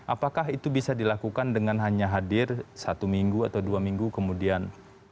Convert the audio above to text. apakah itu bisa dilakukan dengan hanya hadir satu minggu atau dua minggu kemudian